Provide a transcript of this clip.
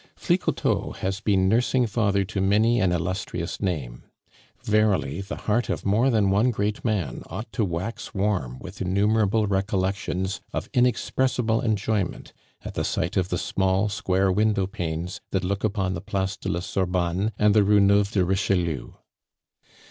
Flicoteaux has been nursing father to many an illustrious name. Verily, the heart of more than one great man ought to wax warm with innumerable recollections of inexpressible enjoyment at the sight of the small, square window panes that look upon the Place de la Sorbonne, and the Rue Neuve de Richelieu.